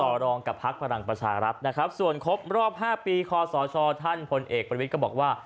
ต่อรองกับภักษ์พลังประชารับส่วนครบรอบ๕ปีคศท่านผลเอกบริวิตก็บอกว่า